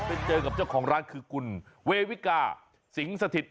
เจอกับเจ้าความรักอยู่ร้านคือคุณเววิกาสิงห์สถิตย์